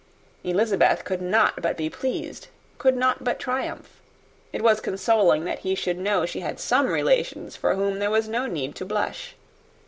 Elizabeth could not but be pleased, could not but triumph. It was consoling that he should know she had some relations for whom there was no need to blush.